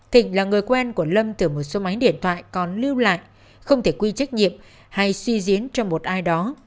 thịnh là người quen của lâm từ một số máy điện thoại còn lưu lại không thể quy trách nhiệm hay suy diễn cho một ai đó